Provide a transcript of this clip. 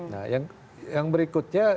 nah yang berikutnya